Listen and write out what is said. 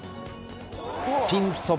ピンそば